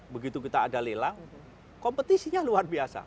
begitu kita ada lelang kompetisinya luar biasa